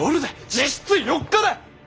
実質４日だ。